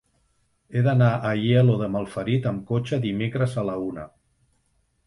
He d'anar a Aielo de Malferit amb cotxe dimecres a la una.